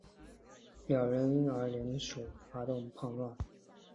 两人因而联手发动叛乱。